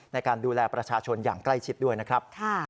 ในการดูแลประชาชนอย่างใกล้ชิดด้วยนะครับ